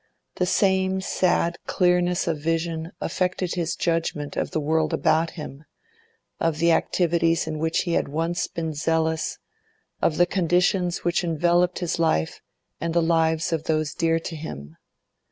The same sad clearness of vision affected his judgment of the world about him, of the activities in which he had once been zealous, of the conditions which enveloped his life and the lives of those dear to him.